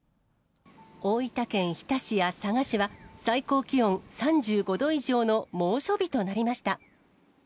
大分県日田市や佐賀市は、最高気温３５度以上の猛暑日となりました。